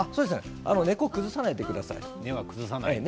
根っこは崩さないでください。